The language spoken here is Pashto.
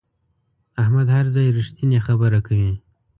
احمد هر ځای رښتینې خبره کوي.